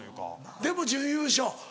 でも準優勝。